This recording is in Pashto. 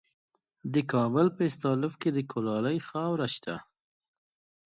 د کابل په استالف کې د کلالي خاوره شته.